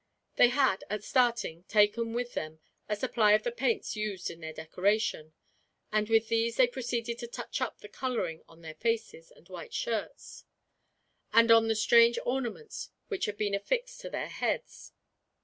They had, at starting, taken with them a supply of the paints used in their decoration; and with these they proceeded to touch up the coloring on their faces and white shirts, and on the strange ornaments which had been affixed to their heads.